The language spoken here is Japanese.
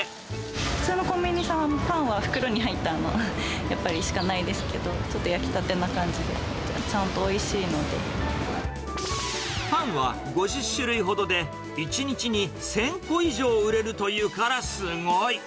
普通のコンビニさんは、パンは袋にやっぱり、しかないですけど、ちょっと焼きたてな感じで、パンは５０種類ほどで、１日に１０００個以上売れるというからすごい。